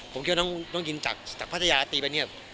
ผมคิดว่าน้องยินจากพัทยาตีไปเนี่ย